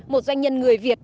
một doanh nhân người việt